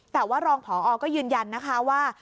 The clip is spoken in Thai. แต่ว่ารองผอก็ยืนยันนะคะว่า